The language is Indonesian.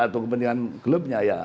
atau kepentingan klubnya